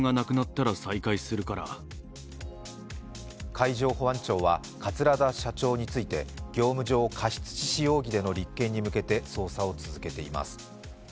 海上保安庁は桂田社長について業務上過失致死容疑での立件に向けて捜査を続けています。